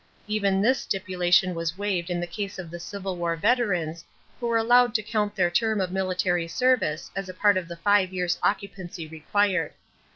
Even this stipulation was waived in the case of the Civil War veterans who were allowed to count their term of military service as a part of the five years' occupancy required.